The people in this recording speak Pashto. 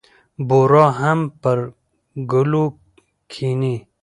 بورا هم پر ګلو کېني.